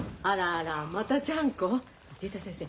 竜太先生